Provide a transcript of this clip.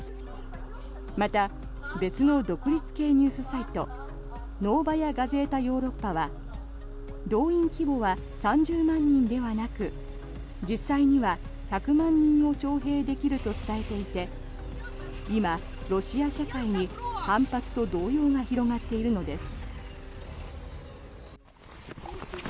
また、別の独立系ニュースサイトノーバヤ・ガゼータ・ヨーロッパは動員規模は３０万人ではなく実際には１００万人を徴兵できると伝えていて今、ロシア社会に反発と動揺が広がっているのです。